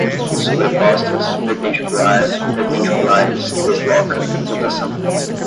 sobrepostas, perpendicular, perpendiculares, desloca, rotação